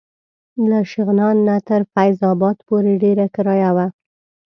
له شغنان نه تر فیض اباد پورې ډېره کرایه وه.